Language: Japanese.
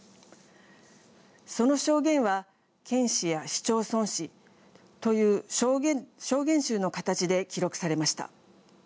その証言は県史や市町村史という証言集の形で記録されました。